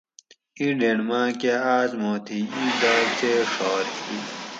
ایں ڈینڑ ماکہۤ آس ما تھی ایں ڈاکچئ ڄھار ہی